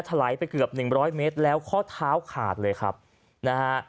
ไหลไปเกือบหนึ่งร้อยเมตรแล้วข้อเท้าขาดเลยครับนะฮะ